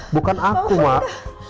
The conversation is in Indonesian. bukan aku mbak